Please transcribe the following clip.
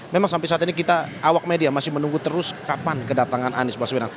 memang sampai saat ini kita awak media masih menunggu terus kapan kedatangan anies baswedan